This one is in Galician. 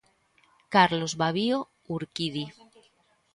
Carlos Babío Urquidi.